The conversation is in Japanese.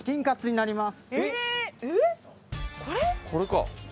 これか。